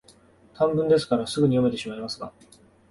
短文ですから、すぐに読めてしまいますが、